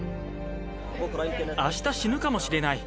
あした死ぬかもしれない。